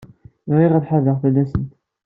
Bɣiɣ ad tḥaddeɣ fell-asent.